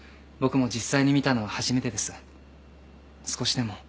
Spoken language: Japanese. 僕も実際に見たのは初めてです。